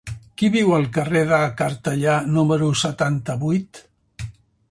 Qui viu al carrer de Cartellà número setanta-vuit?